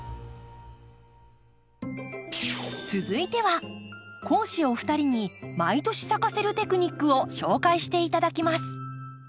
続いては講師お二人に毎年咲かせるテクニックを紹介して頂きます。